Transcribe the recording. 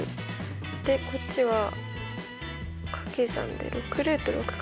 でこっちはかけ算で６かな？